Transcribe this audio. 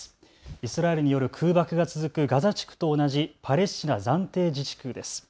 イスラエルによる空爆が続くガザ地区と同じパレスチナ暫定自治区です。